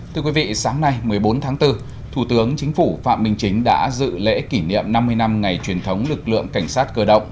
thưa quý vị sáng nay một mươi bốn tháng bốn thủ tướng chính phủ phạm minh chính đã dự lễ kỷ niệm năm mươi năm ngày truyền thống lực lượng cảnh sát cơ động